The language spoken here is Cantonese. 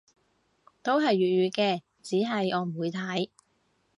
都係粵語嘅，只係我唔會睇